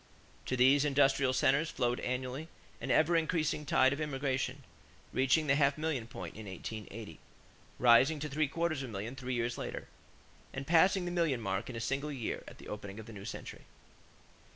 To these industrial centers flowed annually an ever increasing tide of immigration, reaching the half million point in 1880; rising to three quarters of a million three years later; and passing the million mark in a single year at the opening of the new century.